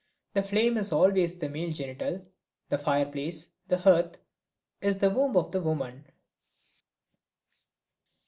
The flame is always the male genital, the fireplace, the hearth, is the womb of the woman.